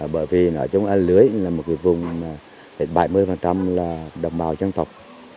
bởi vì ở chống a lưới là một vùng bảy mươi đồng bào chân thộc